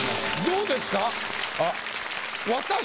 どうですか？